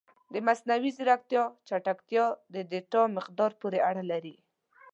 د مصنوعي ځیرکتیا چټکتیا د ډیټا مقدار پورې اړه لري.